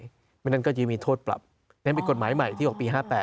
เพราะฉะนั้นก็จะมีโทษปรับนั้นเป็นกฎหมายใหม่ที่ออกปี๕๘